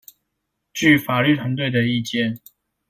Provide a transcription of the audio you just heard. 據法律團隊的意見